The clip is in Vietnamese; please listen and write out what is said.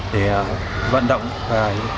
để vận động